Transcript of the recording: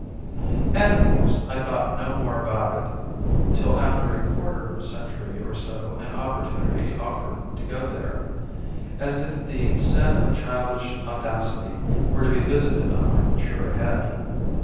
And of course I thought no more about it till after a quarter of a century or so an opportunity offered to go there as if the sin of childish audacity were to be visited on my mature head.